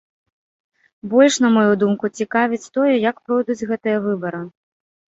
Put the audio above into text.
Больш, на маю думку, цікавіць тое, як пройдуць гэтыя выбары.